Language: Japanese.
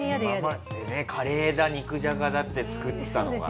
カレーだ肉じゃがだって作ってたのが。